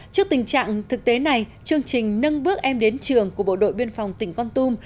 trước tình trạng thực tế này chương trình nâng bước em đến trường của bộ đội biên phòng tỉnh con tum